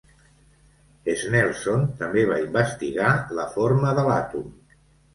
Snelson també va investigar la forma de l'àtom.